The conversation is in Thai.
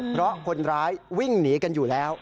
เพราะคนร้ายวิ่งหนีกันอยู่แล้ว